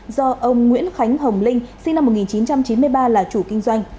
do ông nguyễn khánh hồng linh sinh năm một nghìn chín trăm chín mươi ba là chủ kinh doanh